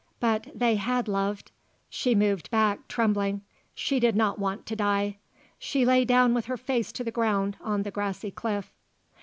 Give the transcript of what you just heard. But they had loved. She moved back, trembling. She did not want to die. She lay down with her face to the ground on the grassy cliff.